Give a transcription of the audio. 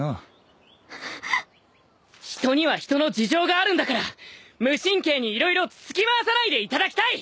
人には人の事情があるんだから無神経に色々つつき回さないでいただきたい！